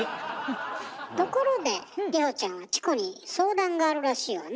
ところで里帆ちゃんはチコに相談があるらしいわね？